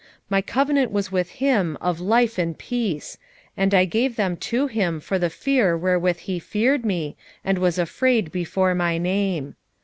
2:5 My covenant was with him of life and peace; and I gave them to him for the fear wherewith he feared me, and was afraid before my name.